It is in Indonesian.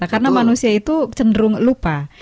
karena manusia itu cenderung lupa